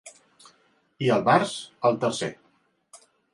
I el març, el tercer.